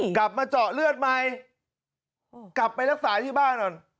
กลับมาเจาะเลือดใหม่กลับไปรักษาที่บ้านก่อน